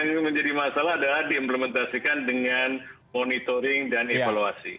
yang menjadi masalah adalah diimplementasikan dengan monitoring dan evaluasi